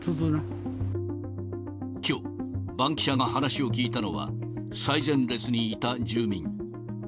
きょう、バンキシャが話を聞いたのは、最前列にいた住民。